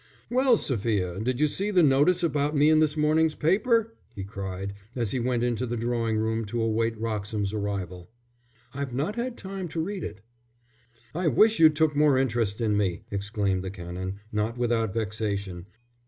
"Well, Sophia, did you see the notice about me in this morning's paper?" he cried, as he went into the drawing room to await Wroxham's arrival. "I've not had time to read it." "I wish you took more interest in me!" exclaimed the Canon, not without vexation.